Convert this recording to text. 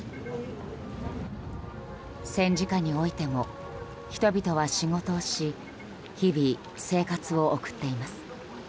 戦時下においても人々は仕事をし日々生活を送っています。